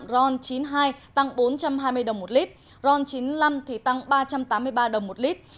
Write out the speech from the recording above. ron chín mươi hai tăng bốn trăm hai mươi đồng một lít ron chín mươi năm tăng ba trăm tám mươi ba đồng một lít